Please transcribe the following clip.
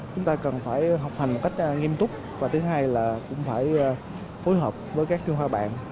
chúng ta cần phải học hành một cách nghiêm túc và thứ hai là cũng phải phối hợp với các chuyên hoa bạn